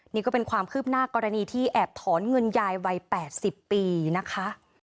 นี่ก็เป็นความคืบหน้ากรณีที่แอบถอนเงินยายวัย๘๐ปีนะคะ